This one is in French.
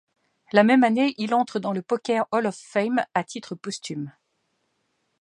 La même année, il entre dans le Poker Hall of Fame, à titre posthume.